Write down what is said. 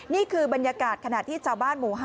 นี่คือบรรยากาศขณะที่ชาวบ้านหมู่๕